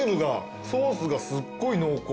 ソースがすっごい濃厚。